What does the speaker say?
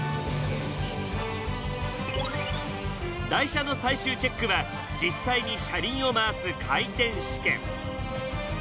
台車の最終チェックは実際に車輪を回す回転試験。